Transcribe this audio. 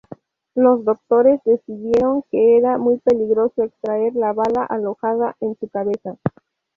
Los doctores decidieron que era muy peligroso extraer la bala alojada en su cabeza.